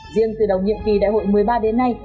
riêng từ đầu nhiệm kỳ đại hội một mươi ba đến nay